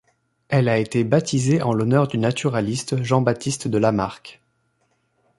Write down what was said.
Elle a été baptisée en l'honneur du naturaliste Jean-Baptiste de Lamarck.